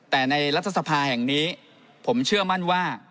แต่ในรัฐสภาแห่งนี้ผมเชื่อมั่นว่า